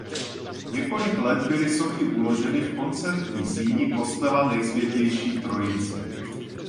Několik let byly sochy uloženy v koncertní síní kostela Nejsvětější Trojice.